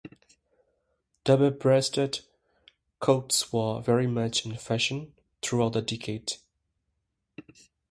Double-breasted coats were very much in fashion throughout the decade.